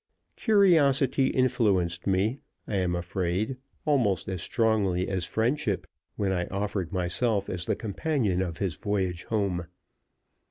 Curiosity influenced me, I am afraid, almost as strongly as friendship, when I offered myself as the companion of his voyage home.